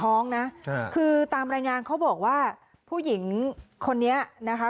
ท้องนะคือตามรายงานเขาบอกว่าผู้หญิงคนนี้นะคะ